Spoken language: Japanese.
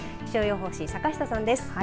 気象予報士坂下さんです。